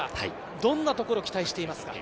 どんなところ、期待していますか？